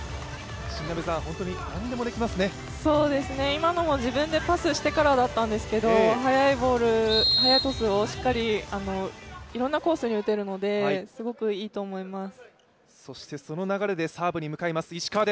今のも自分でパスしてからだったんですけれども、あの速いトスをしっかりいろんなコースに打てるのですごくいいと思います。